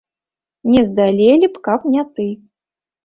Не здалелі б, каб не ты.